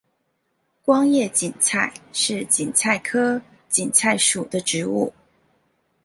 光叶堇菜是堇菜科堇菜属的植物。